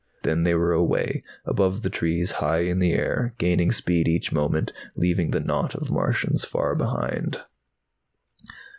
Then they were away, above the trees, high in the air, gaining speed each moment, leaving the knot of Martians far behind.